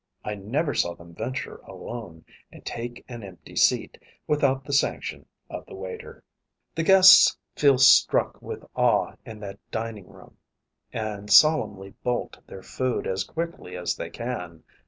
I never saw them venture alone, and take an empty seat, without the sanction of the waiter. [Illustration: THE HEAD MAN.] The guests feel struck with awe in that dining room, and solemnly bolt their food as quickly as they can.